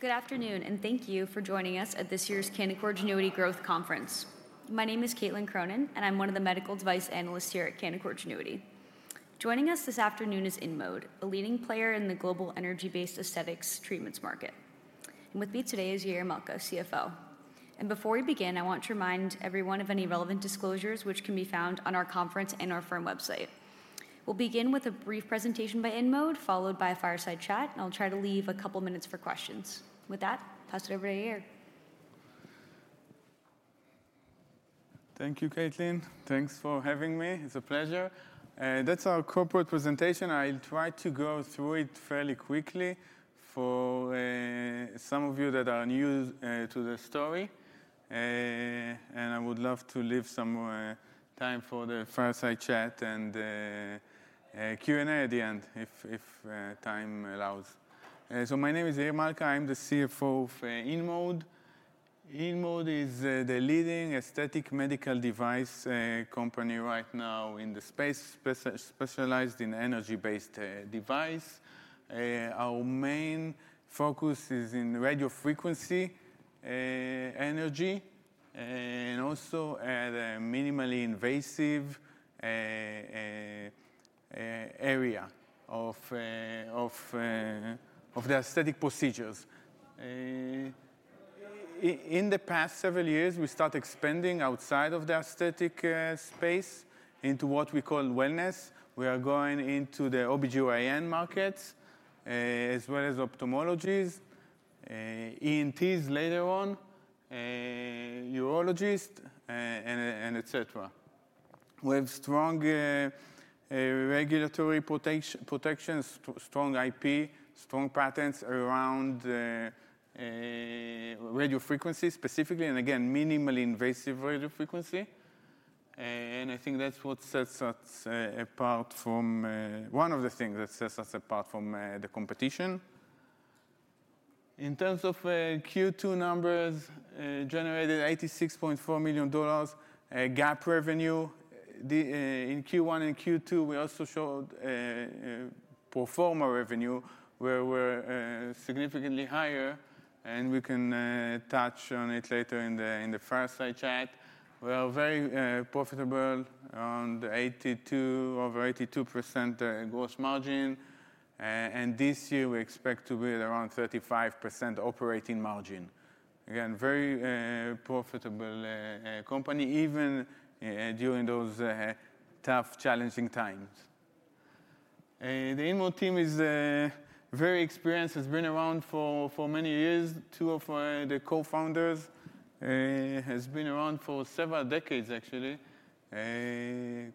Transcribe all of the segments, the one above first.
Good afternoon, and thank you for joining us at this year's Canaccord Genuity Growth Conference. My name is Caitlin Cronin, and I'm one of the medical device analysts here at Canaccord Genuity. Joining us this afternoon is InMode, a leading player in the global energy-based aesthetics treatments market. With me today is Yair Malka, CFO. Before we begin, I want to remind everyone of any relevant disclosures which can be found on our conference and our firm website. We'll begin with a brief presentation by InMode, followed by a fireside chat, and I'll try to leave a couple minutes for questions. With that, pass it over to Yair. Thank you, Caitlin. Thanks for having me. It's a pleasure. That's our corporate presentation. I'll try to go through it fairly quickly for some of you that are new to the story. I would love to leave some time for the fireside chat and Q&A at the end if time allows. My name is Yair Malka. I'm the CFO for InMode. InMode is the leading aesthetic medical device company right now in the space, specialized in energy-based device. Our main focus is in radiofrequency energy, and also at a minimally invasive area of the aesthetic procedures. In the past several years, we start expanding outside of the aesthetic space into what we call wellness. We are going into the OBGYN markets, as well as ophthalmologists, ENTs later on, urologists, and, and etcetera. We have strong regulatory protections, strong IP, strong patents around radiofrequency specifically, and again, minimally invasive radiofrequency. And I think that's what sets us apart from... One of the things that sets us apart from the competition. In terms of Q2 numbers, generated $86.4 million GAAP revenue. In Q1 and Q2, we also showed pro forma revenue, where we're significantly higher, and we can touch on it later in the fireside chat. We are very profitable, around 82, over 82% gross margin. And this year, we expect to be at around 35% operating margin. Again, very profitable company, even during those tough, challenging times. The InMode team is very experienced, has been around for many years. Two of the co-founders has been around for several decades, actually,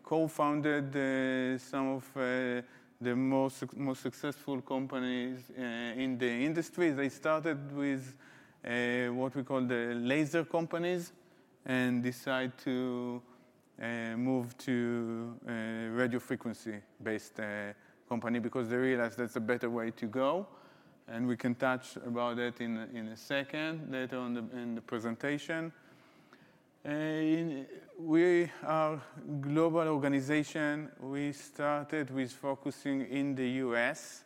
co-founded some of the most successful companies in the industry. They started with what we call the laser companies and decide to move to radiofrequency-based company because they realized that's a better way to go, and we can touch about it in a second, later on in the presentation. We are a global organization. We started with focusing in the U.S.,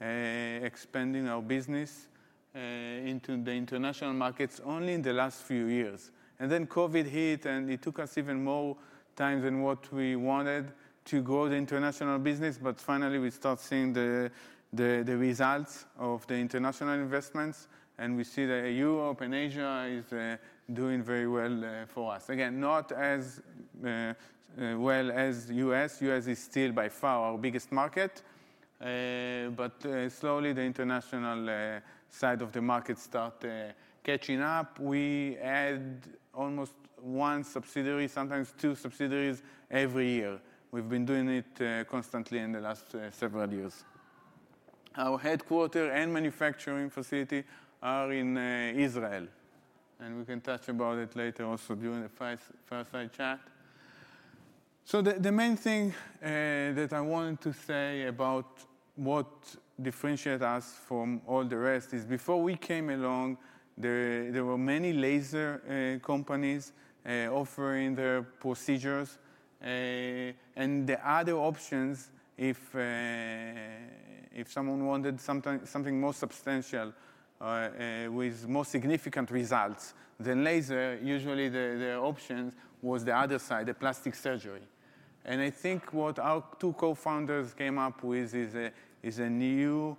expanding our business into the international markets only in the last few years. And then COVID hit, and it took us even more time than what we wanted to grow the international business. But finally, we start seeing the results of the international investments, and we see that Europe and Asia is doing very well for us. Again, not as well as US. US is still by far our biggest market. But slowly, the international side of the market start catching up. We add almost one subsidiary, sometimes two subsidiaries, every year. We've been doing it constantly in the last several years. Our headquarters and manufacturing facility are in Israel, and we can touch about it later also during the fireside chat. So the main thing that I wanted to say about what differentiate us from all the rest is before we came along, there were many laser companies offering their procedures. And the other options, if someone wanted something more substantial with more significant results than laser, usually the options was the other side, the plastic surgery. And I think what our two co-founders came up with is a new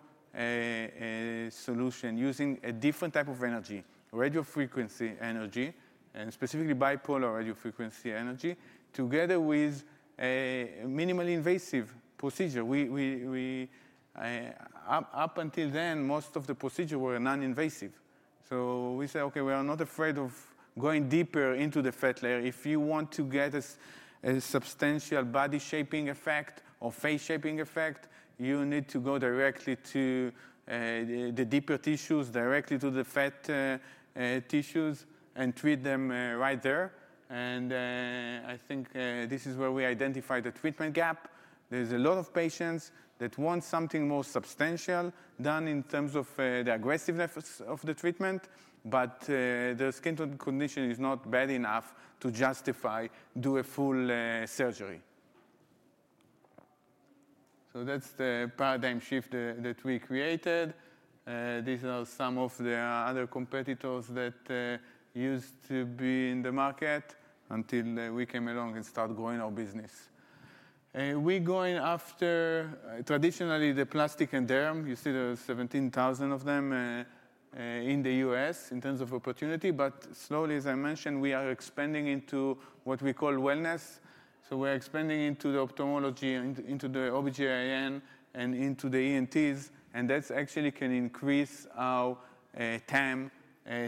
solution using a different type of energy, radiofrequency energy, and specifically bipolar radiofrequency energy, together with a minimally invasive procedure. We up until then, most of the procedure were non-invasive. So we say, "Okay, we are not afraid of going deeper into the fat layer." If you want to get a substantial body shaping effect or face shaping effect, you need to go directly to the deeper tissues, directly to the fat tissues and treat them right there. I think this is where we identify the treatment gap. There's a lot of patients that want something more substantial done in terms of the aggressiveness of the treatment, but their skin condition is not bad enough to justify doing a full surgery... So that's the paradigm shift that we created. These are some of the other competitors that used to be in the market until we came along and started growing our business. We're going after traditionally the plastic and derm. You see there are 17,000 of them in the US in terms of opportunity, but slowly, as I mentioned, we are expanding into what we call wellness. So we're expanding into the ophthalmology and into the OBGYN and into the ENTs, and that's actually can increase our TAM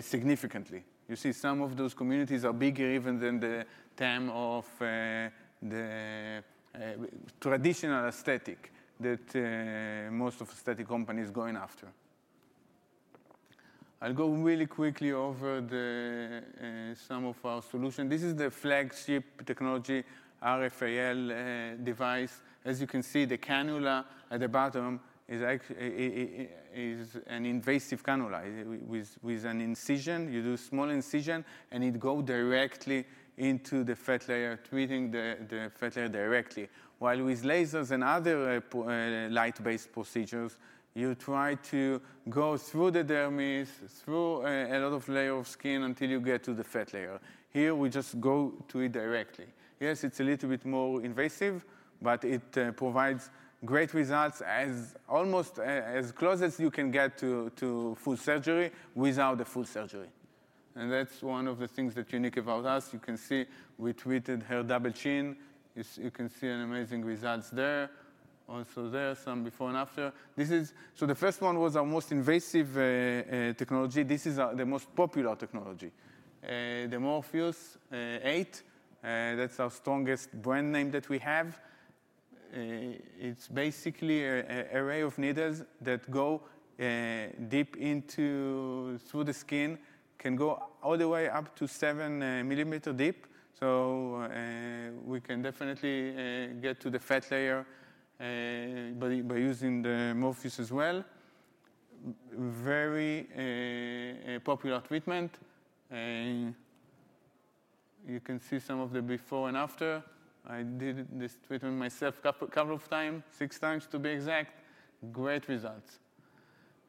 significantly. You see, some of those communities are bigger even than the TAM of the traditional aesthetic that most of aesthetic companies are going after. I'll go really quickly over the some of our solution. This is the flagship technology, RFAL device. As you can see, the cannula at the bottom is an invasive cannula. With an incision, you do small incision, and it go directly into the fat layer, treating the fat layer directly. While with lasers and other light-based procedures, you try to go through the dermis, through a lot of layer of skin until you get to the fat layer. Here, we just go to it directly. Yes, it's a little bit more invasive, but it provides great results as almost as close as you can get to full surgery without the full surgery. And that's one of the things that unique about us. You can see we treated her double chin. You can see an amazing results there. Also there, some before and after. This is. So the first one was our most invasive technology. This is our, the most popular technology, the Morpheus8, that's our strongest brand name that we have. It's basically a array of needles that go deep into... through the skin, can go all the way up to seven millimeter deep. So, we can definitely get to the fat layer by using the Morpheus as well. Very popular treatment, you can see some of the before and after. I did this treatment myself a couple of time, six times to be exact. Great results.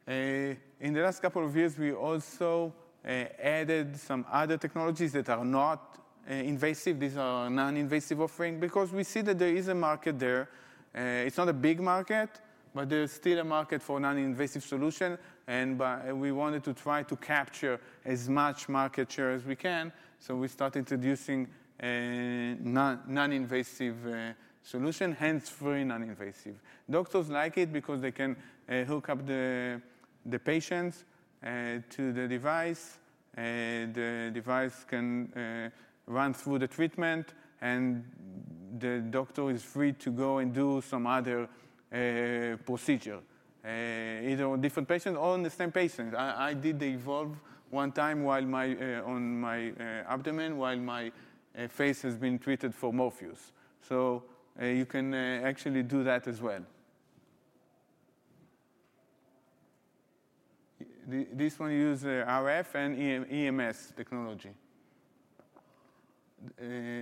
In the last couple of years, we also added some other technologies that are not invasive. These are non-invasive offering, because we see that there is a market there. It's not a big market, but there's still a market for non-invasive solution, and we wanted to try to capture as much market share as we can, so we start introducing a non-invasive solution, hence very non-invasive. Doctors like it because they can hook up the patients to the device. The device can run through the treatment, and the doctor is free to go and do some other procedure, either on different patient or on the same patient. I did the Evolve one time while on my abdomen while my face was being treated for Morpheus. So you can actually do that as well. This one uses RF and EMS technology.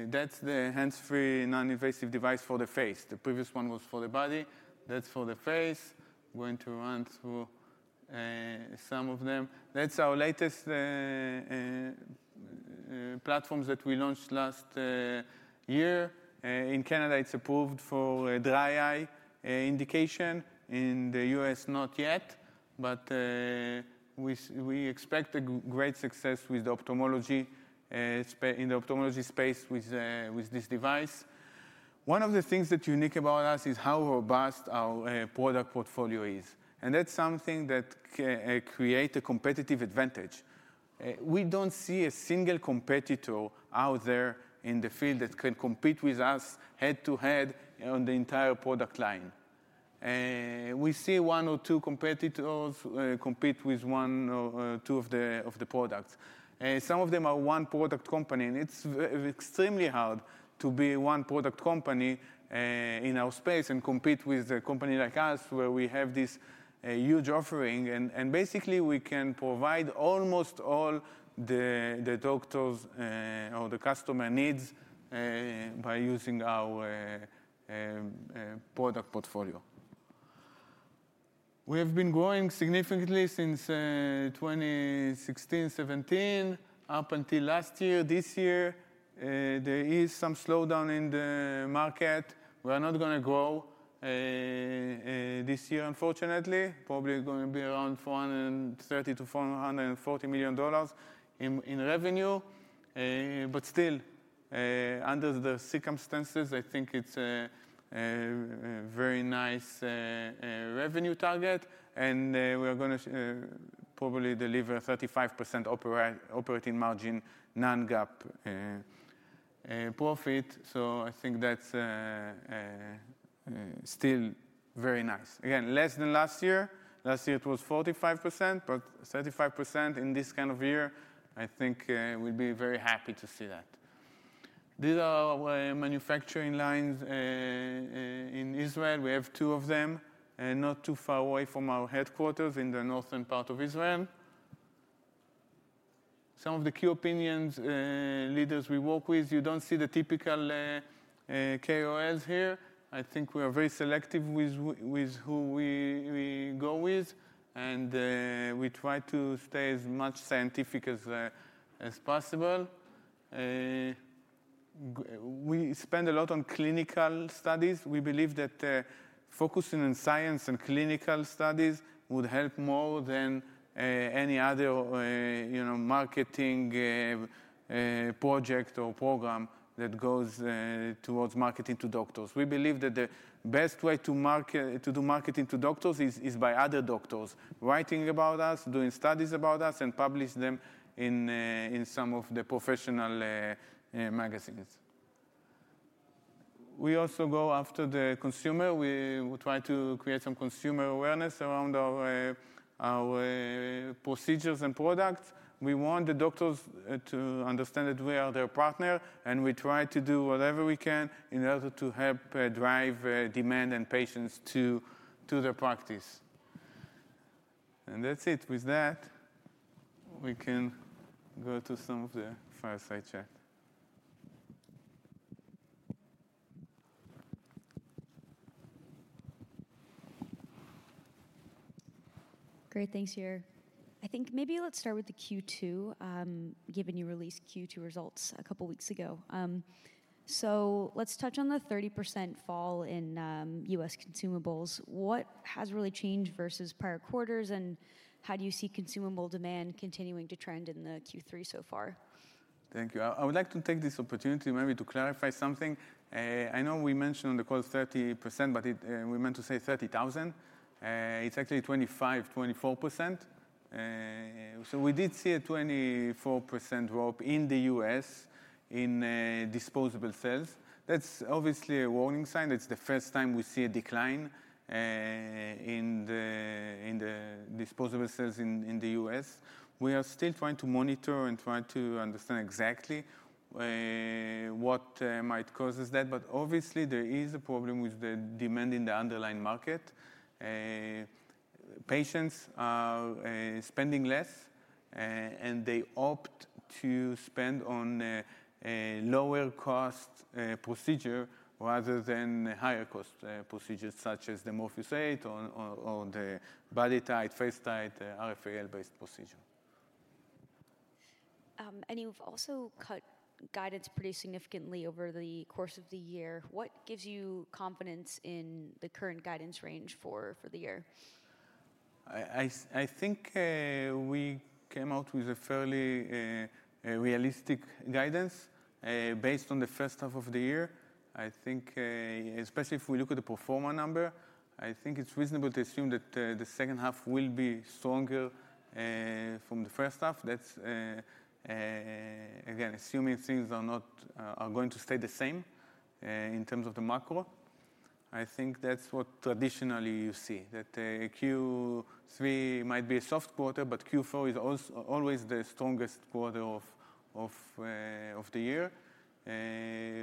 That's the hands-free, non-invasive device for the face. The previous one was for the body. That's for the face. I'm going to run through some of them. That's our latest platforms that we launched last year. In Canada, it's approved for dry eye indication. In the US, not yet, but we expect great success with the ophthalmology space with this device. One of the things that's unique about us is how robust our product portfolio is, and that's something that can create a competitive advantage. We don't see a single competitor out there in the field that can compete with us head-to-head on the entire product line. We see one or two competitors compete with one or two of the products. Some of them are one-product company, and it's extremely hard to be a one-product company in our space and compete with a company like us, where we have this huge offering and basically we can provide almost all the doctors' or the customer needs by using our product portfolio. We have been growing significantly since 2016, 2017, up until last year. This year, there is some slowdown in the market. We are not gonna grow this year, unfortunately, probably going to be around $430 million-$440 million in revenue. But still, under the circumstances, I think it's a very nice revenue target, and we are gonna probably deliver a 35% operating margin, non-GAAP profit, so I think that's still very nice. Again, less than last year. Last year it was 45%, but 35% in this kind of year, I think we'd be very happy to see that. These are our manufacturing lines in Israel. We have two of them, not too far away from our headquarters in the northern part of Israel. Some of the key opinion leaders we work with, you don't see the typical KOLs here. I think we are very selective with who we go with, and we try to stay as scientific as possible. We spend a lot on clinical studies. We believe that focusing on science and clinical studies would help more than any other, you know, marketing project or program that goes towards marketing to doctors. We believe that the best way to do marketing to doctors is by other doctors writing about us, doing studies about us, and publish them in some of the professional magazines. We also go after the consumer. We try to create some consumer awareness around our procedures and products. We want the doctors to understand that we are their partner, and we try to do whatever we can in order to help drive demand and patients to their practice. That's it. With that, we can go to some of the fireside chat. Great. Thanks, Yair. I think maybe let's start with the Q2, given you released Q2 results a couple weeks ago. So let's touch on the 30% fall in, U.S. consumables. What has really changed versus prior quarters, and how do you see consumable demand continuing to trend in the Q3 so far? Thank you. I would like to take this opportunity maybe to clarify something. I know we mentioned on the call 30%, but we meant to say 30,000. It's actually 25, 24%. So we did see a 24% drop in the US in disposable sales. That's obviously a warning sign. It's the first time we see a decline in the disposable sales in the US. We are still trying to monitor and trying to understand exactly what might causes that, but obviously, there is a problem with the demand in the underlying market. Patients are spending less, and they opt to spend on a lower cost procedure rather than a higher cost procedure, such as the Morpheus8 or the BodyTite, FaceTite, RFAL-based procedure. And you've also cut guidance pretty significantly over the course of the year. What gives you confidence in the current guidance range for the year? I think that's what traditionally you see, that Q3 might be a soft quarter, but Q4 is always the strongest quarter of the year.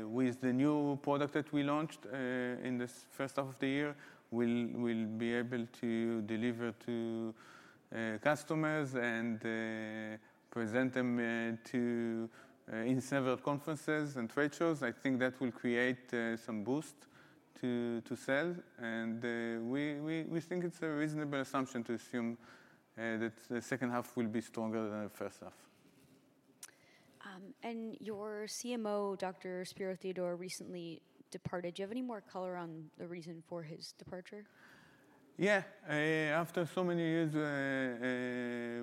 With the new product that we launched in the first half of the year, we'll be able to deliver to customers and present them in several conferences and trade shows. I think that will create some boost to sell, and we think it's a reasonable assumption to assume that the second half will be stronger than the first half. Your CMO, Dr. Spero Theodorou, recently departed. Do you have any more color on the reason for his departure? Yeah. After so many years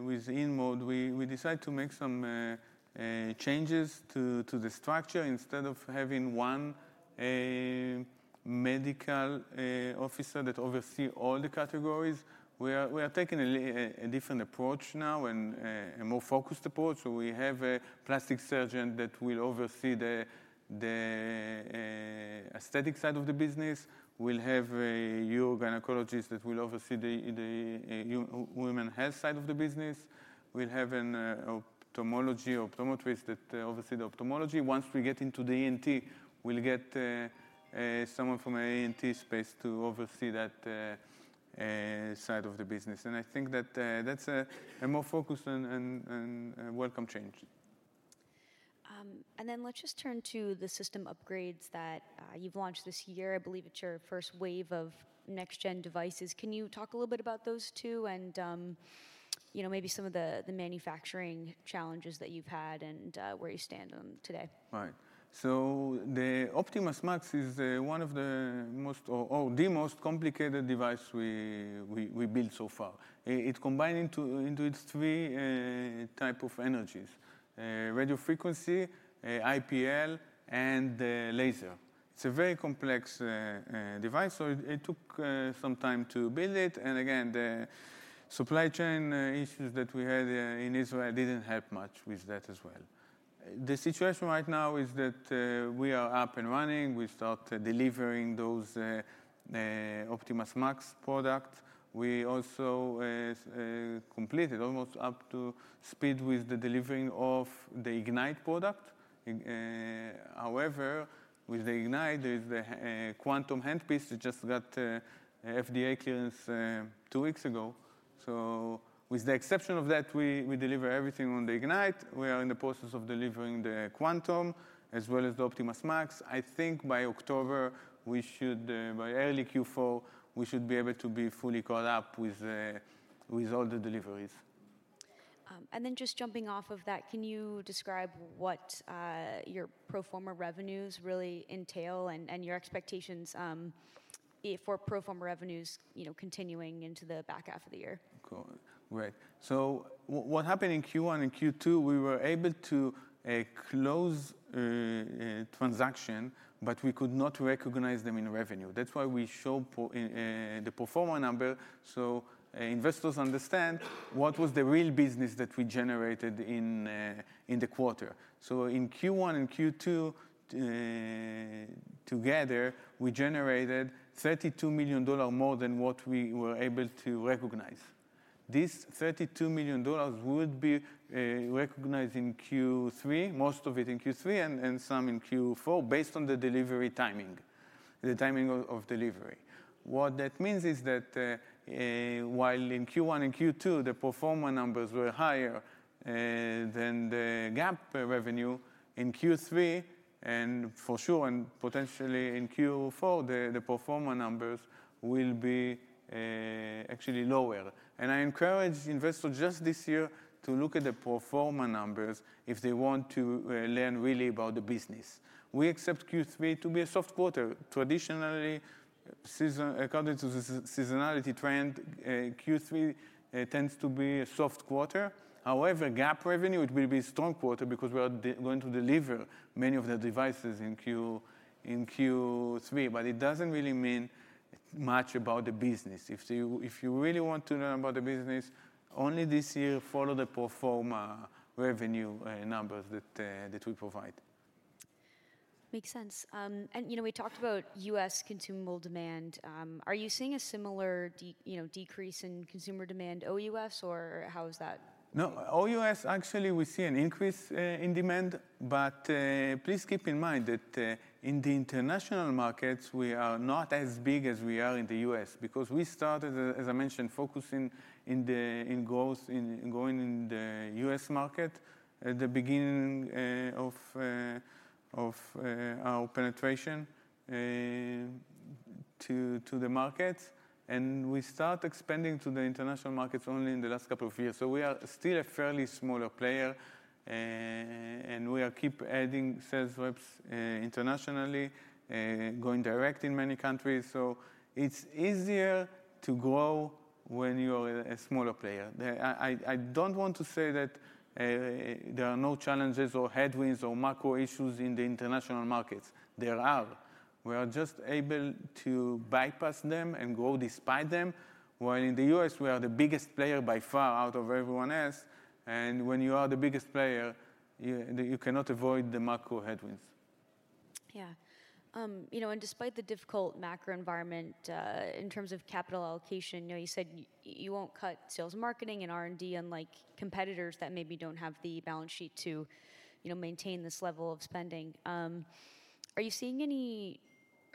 with InMode, we decided to make some changes to the structure. Instead of having one medical officer that oversee all the categories, we are taking a different approach now and a more focused approach, so we have a plastic surgeon that will oversee the aesthetic side of the business. We'll have a urogynecologist that will oversee the women health side of the business. We'll have an ophthalmology optometrist that oversee the ophthalmology. Once we get into the ENT, we'll get someone from an ENT space to oversee that side of the business. I think that that's a more focused and welcome change. And then let's just turn to the system upgrades that you've launched this year. I believe it's your first wave of next gen devices. Can you talk a little bit about those, too, and, you know, maybe some of the manufacturing challenges that you've had and, where you stand on them today? Right. So the Optimas Max is one of the most or the most complicated device we built so far. It combined into its three type of energies: radiofrequency, IPL, and laser. It's a very complex device, so it took some time to build it. And again, the supply chain issues that we had in Israel didn't help much with that as well. The situation right now is that we are up and running. We start delivering those Optimas Max product. We also completed almost up to speed with the delivering of the Ignite product. However, with the Ignite, with the Quantum handpiece, it just got FDA clearance two weeks ago. So with the exception of that, we deliver everything on the Ignite. We are in the process of delivering the Quantum as well as the Optimas Max. I think by October, we should, by early Q4, we should be able to be fully caught up with all the deliveries. And then just jumping off of that, can you describe what your pro forma revenues really entail and your expectations for pro forma revenues, you know, continuing into the back half of the year? Got it. Right. So what happened in Q1 and Q2, we were able to close transaction, but we could not recognize them in revenue. That's why we show the pro forma number, so investors understand what was the real business that we generated in the quarter. So in Q1 and Q2 together, we generated $32 million more than what we were able to recognize. This $32 million would be recognized in Q3, most of it in Q3, and some in Q4, based on the delivery timing, the timing of delivery. What that means is that while in Q1 and Q2, the pro forma numbers were higher than the GAAP revenue, in Q3, and for sure and potentially in Q4, the pro forma numbers will be actually lower. I encourage investors just this year to look at the pro forma numbers if they want to, learn really about the business. We accept Q3 to be a soft quarter. Traditionally, according to the seasonality trend, Q3 tends to be a soft quarter. However, GAAP revenue, it will be a strong quarter because we are going to deliver many of the devices in Q3. But it doesn't really mean much about the business. If you really want to learn about the business, only this year, follow the pro forma revenue numbers that we provide. Makes sense. And you know, we talked about US consumable demand. Are you seeing a similar you know, decrease in consumer demand OUS, or how is that? No. OUS, actually, we see an increase in demand, but please keep in mind that in the international markets, we are not as big as we are in the US because we started, as I mentioned, focusing in the growth in going in the US market at the beginning of our penetration to the market. And we start expanding to the international markets only in the last couple of years. So we are still a fairly smaller player, and we are keep adding sales reps internationally, going direct in many countries. So it's easier to grow when you are a smaller player. I don't want to say that there are no challenges or headwinds or macro issues in the international markets. There are. We are just able to bypass them and grow despite them, while in the US, we are the biggest player by far out of everyone else, and when you are the biggest player, you cannot avoid the macro headwinds. Yeah. You know, and despite the difficult macro environment, in terms of capital allocation, you know, you said you won't cut sales, marketing, and R&D, unlike competitors that maybe don't have the balance sheet to, you know, maintain this level of spending. Are you seeing any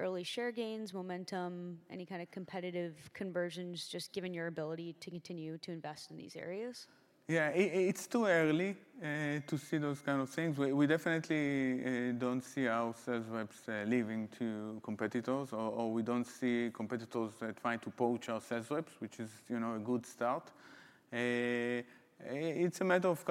early share gains, momentum, any kind of competitive conversions, just given your ability to continue to invest in these areas? Yeah. It's too early to see those kind of things. We definitely don't see our sales reps leaving to competitors, or we don't see competitors trying to poach our sales reps, which is, you know, a good start. It's a matter of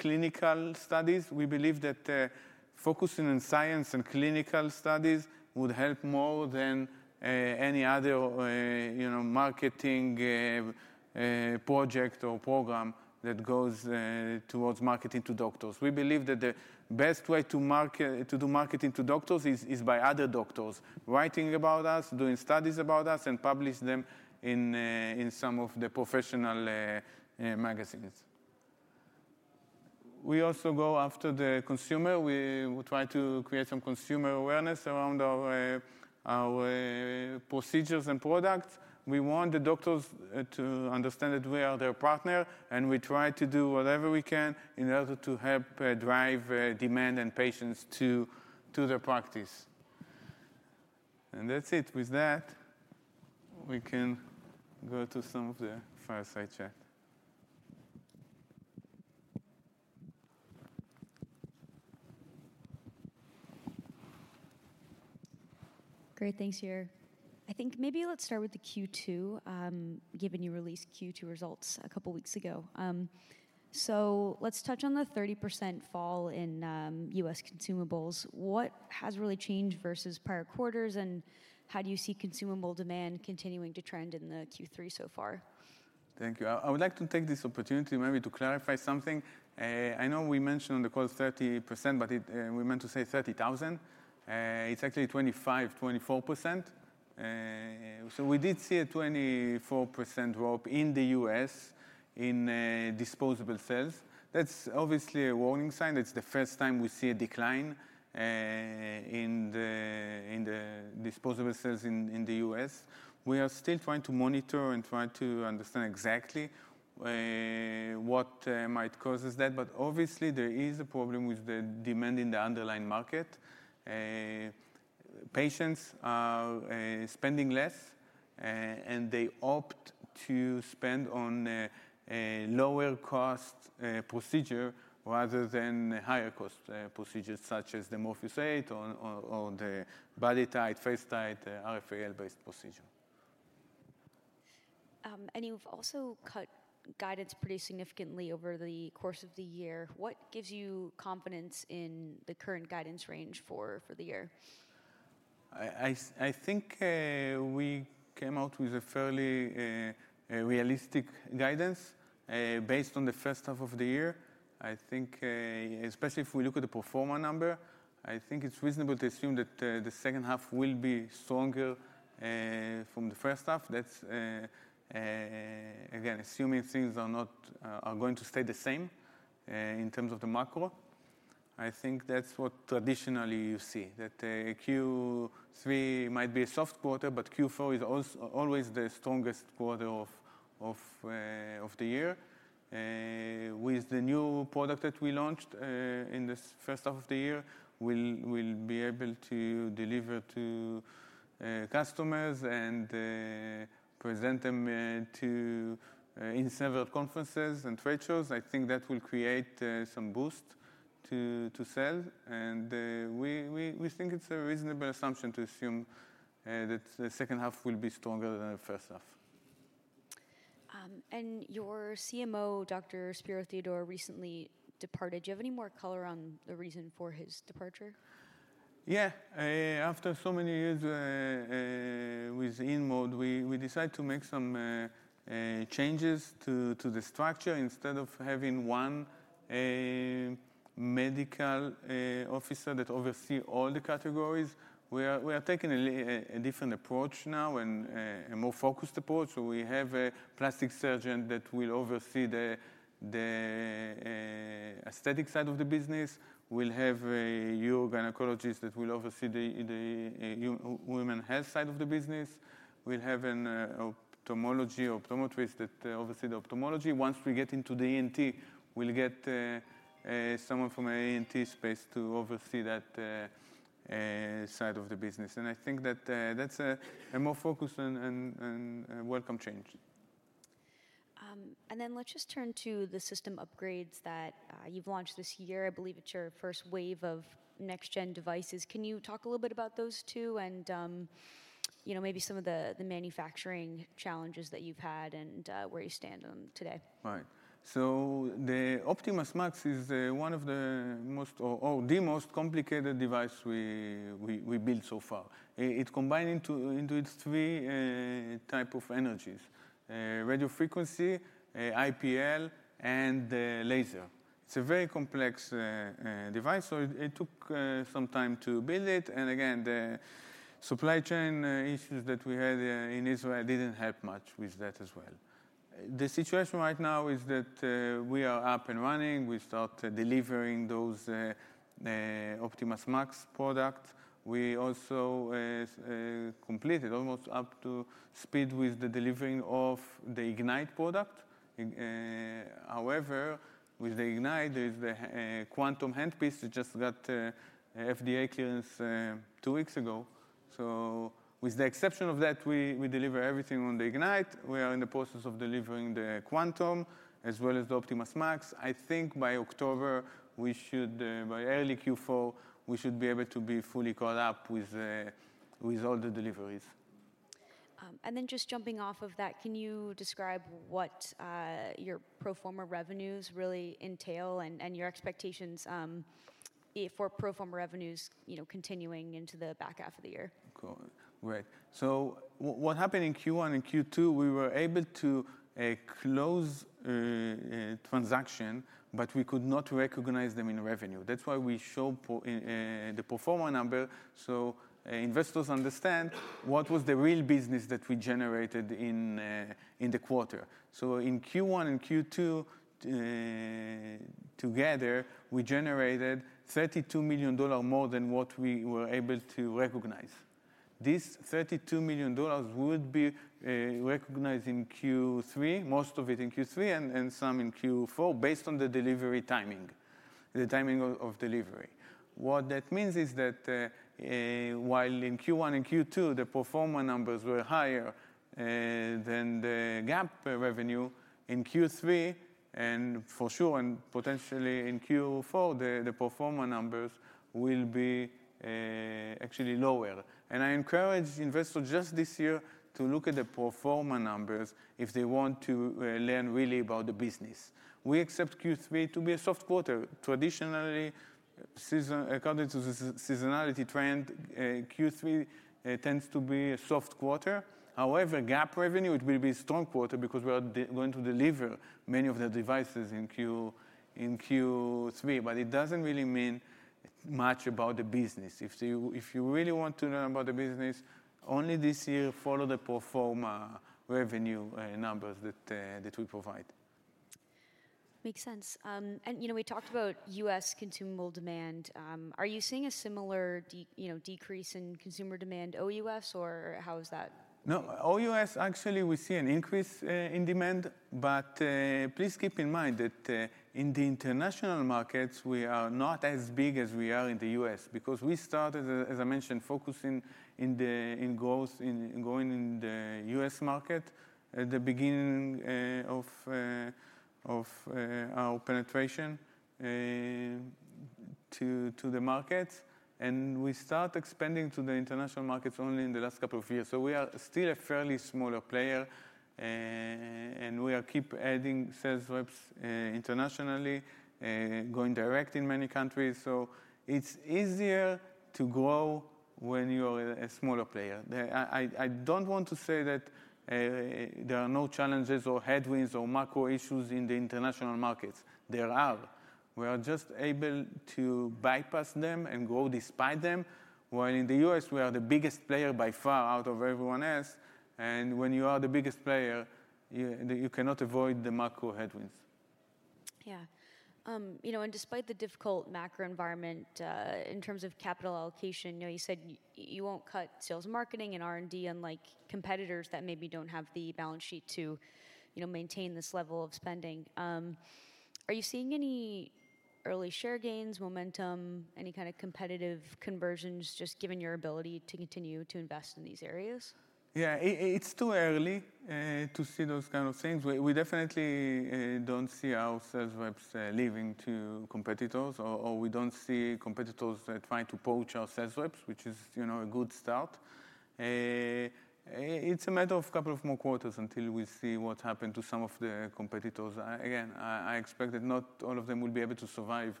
couple of more quarters until we see what happened to some of the competitors. Again, I expect that not all of them will be able to survive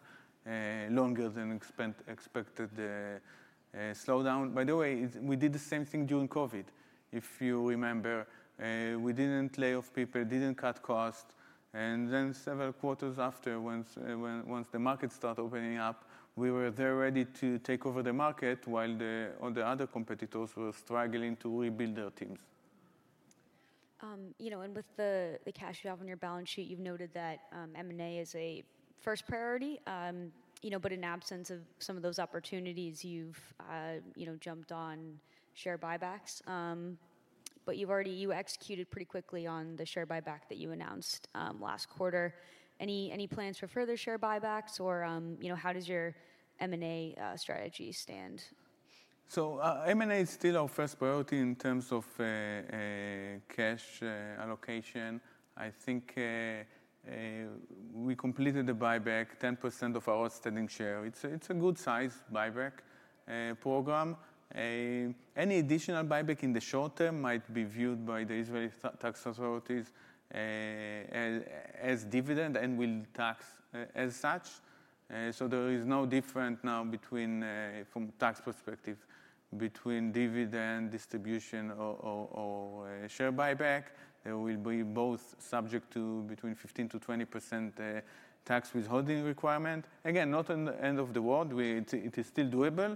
longer than expected slowdown. By the way, we did the same thing during COVID. If you remember, we didn't lay off people, didn't cut costs, and then several quarters after, once the market started opening up, we were there ready to take over the market while all the other competitors were struggling to rebuild their teams.... You know, and with the cash you have on your balance sheet, you've noted that M&A is a first priority. You know, but in absence of some of those opportunities, you've, you know, jumped on share buybacks. But you've already executed pretty quickly on the share buyback that you announced last quarter. Any plans for further share buybacks or, you know, how does your M&A strategy stand? So, M&A is still our first priority in terms of cash allocation. I think we completed the buyback, 10% of our outstanding share. It's a good size buyback program. Any additional buyback in the short term might be viewed by the Israeli tax authorities as dividend, and will tax as such. So there is no different now between from tax perspective, between dividend distribution or share buyback. They will be both subject to between 15%-20% tax withholding requirement. Again, not the end of the world, it is still doable,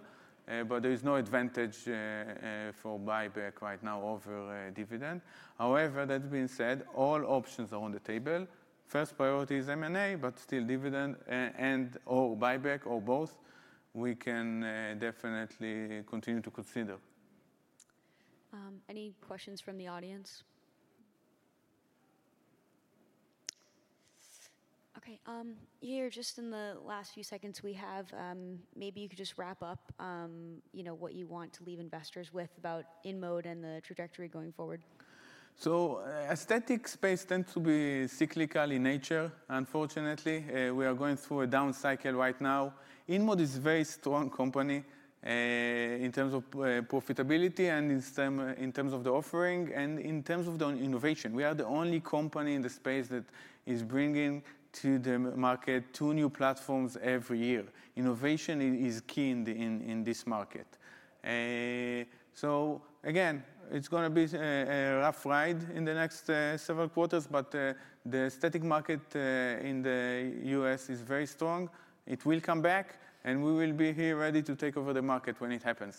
but there is no advantage for buyback right now over dividend. However, that being said, all options are on the table. First priority is M&A, but still dividend, and or buyback or both. We can definitely continue to consider. Any questions from the audience? Okay, Yair, just in the last few seconds we have, maybe you could just wrap up, you know, what you want to leave investors with about In mode and the trajectory going forward. So, aesthetic space tends to be cyclical in nature. Unfortunately, we are going through a down cycle right now. InMode is a very strong company, in terms of profitability and in terms of the offering and in terms of the innovation. We are the only company in the space that is bringing to the market two new platforms every year. Innovation is key in this market. So again, it's gonna be a rough ride in the next several quarters, but the aesthetic market in the U.S. is very strong. It will come back, and we will be here ready to take over the market when it happens.